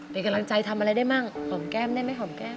เป็นกำลังใจทำอะไรได้มั่งหอมแก้มได้ไหมหอมแก้ม